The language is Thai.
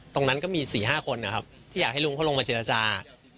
ตรงนั้นก็มี๔๕คนนะครับที่อยากให้ลุงเขาลงมาเจรจา